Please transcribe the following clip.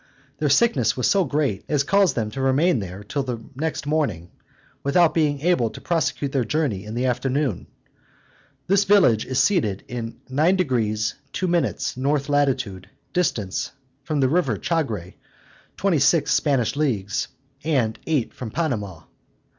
Their sickness was so great, as caused them to remain there till the next morning, without being able to prosecute their journey in the afternoon. This village is seated in 9 deg. 2 min. north latitude, distant from the river Chagre twenty six Spanish leagues, and eight from Panama.